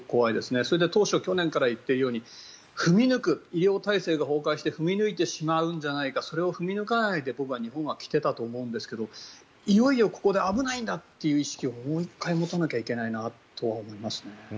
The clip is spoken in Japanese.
それと去年から言っているように医療体制が崩壊して踏み抜いてしまうんじゃないかそれを踏み抜かないで僕は日本は来ていたと思うんですけどいよいよここで危ないんだっていう意識をもう１回持たないといけないなと思いますね。